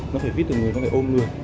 nó phải fit được người nó phải ôm được